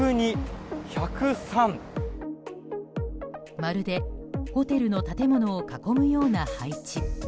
まるでホテルの建物を囲むような配置。